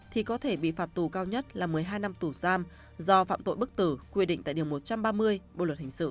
thì có thể bị phạt tù cao nhất là một mươi hai năm tù giam do phạm tội bức tử quy định tại điều một trăm ba mươi bộ luật hình sự hai nghìn một mươi năm